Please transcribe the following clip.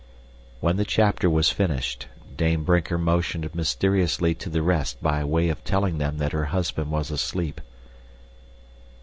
When the chapter was finished, Dame Brinker motioned mysteriously to the rest by way of telling them that her husband was asleep.